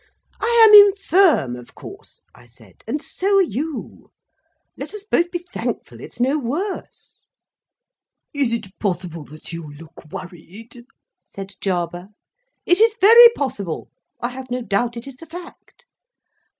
"I am infirm, of course," I said, "and so are you. Let us both be thankful it's no worse." "Is it possible that you look worried?" said Jarber. "It is very possible. I have no doubt it is the fact."